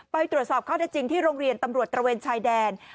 ไปตรวจสอบข้อได้จริงที่โรงเรียนตำรวจตระเวนชายแดน